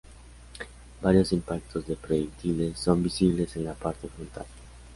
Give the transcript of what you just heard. Varios impactos de proyectiles son visibles en la parte frontal.